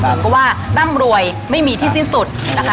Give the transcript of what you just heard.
หมายถึงว่าร่ำรวยไม่มีที่สิ้นสุด